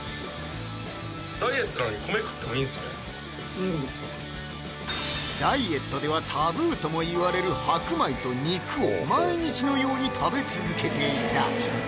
うんダイエットではタブーともいわれる白米と肉を毎日のように食べ続けていた